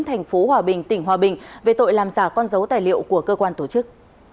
tp hòa bình tỉnh hòa bình về tội làm giả con dấu tài liệu của cơ quan tổ chức